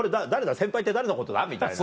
先輩って誰のことだ？みたいな。